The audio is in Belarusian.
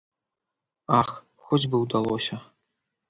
Ах, хоць бы ўдалося!